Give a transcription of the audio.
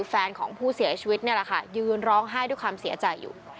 แฟนของผู้เสียชีวิตนี่แหละค่ะยืนร้องไห้ด้วยความเสียใจอยู่